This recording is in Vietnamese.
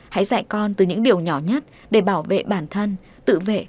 hãy dạy con từ những điều nhỏ nhất để bảo vệ bản thân tự vệ và sống khỏe mỗi ngày